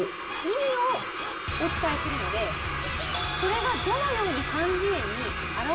意味をお伝えするのでそれがどのように判じ絵に表されていたか。